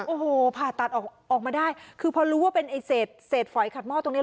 โอ้โหผ่าตัดออกมาได้คือพอรู้ว่าเป็นไอ้เศษฝอยขัดหม้อตรงนี้